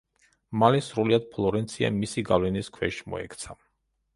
მალე სრულიად ფლორენცია მისი გავლენის ქვეშ მოექცა.